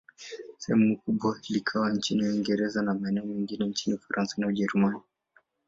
Sehemu kubwa likawa chini ya Uingereza, na maeneo mengine chini ya Ufaransa na Ujerumani.